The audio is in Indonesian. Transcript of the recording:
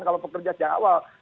kalau pekerjaan yang awal